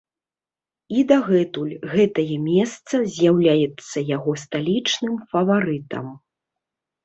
І дагэтуль гэтае месца з'яўляецца яго сталічным фаварытам.